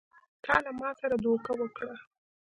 تا له ما سره دوکه وکړه!